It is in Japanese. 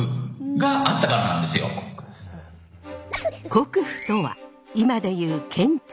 国府とは今で言う県庁。